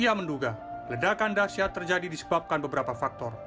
ia menduga ledakan dasyat terjadi disebabkan beberapa faktor